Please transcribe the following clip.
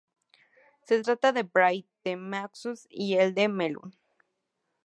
Se trata del brie de Meaux y el de Melun.